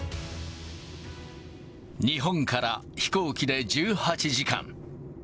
日本から飛行機で１８時間。